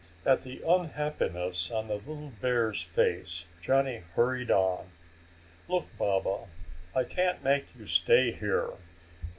At the unhappiness on the little bear's face, Johnny hurried on. "Look, Baba, I can't make you stay here.